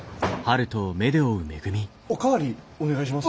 お代わりお願いします。